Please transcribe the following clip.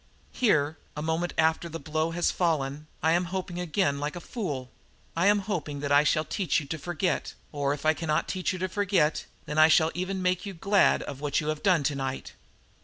Here, a moment after the blow has fallen, I am hoping again like a fool. I am hoping that I shall teach you to forget; or, if I cannot teach you to forget, than I shall even make you glad of what you have done tonight."